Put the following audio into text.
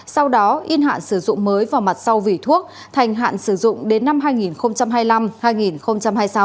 sau đó in hạn sử dụng mới vào mặt sau vỉ thuốc thành hạn sử dụng đến năm hai nghìn hai mươi năm hai nghìn hai mươi sáu